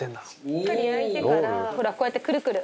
しっかり焼いてからほらこうやってくるくる。